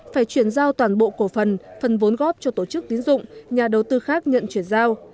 phải chuyển giao toàn bộ cổ phần phần vốn góp cho tổ chức tín dụng nhà đầu tư khác nhận chuyển giao